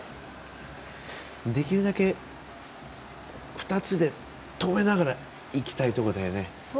できるだけ２つで止めながらいきたいところだよね。